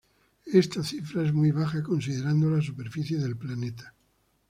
Esta cifra es muy baja considerando la superficie del planeta.